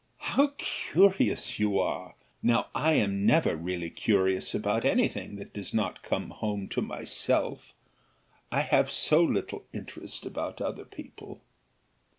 "How curious you are! Now I am never really curious about any thing that does not come home to myself; I have so little interest about other people."